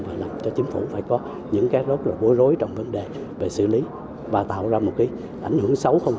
và làm cho chính phủ phải có những cái rốt rối trong vấn đề về xử lý và tạo ra một cái ảnh hưởng xấu không